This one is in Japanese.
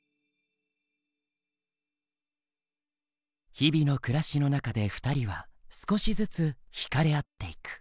日々の暮らしの中で２人は少しずつ惹かれ合っていく。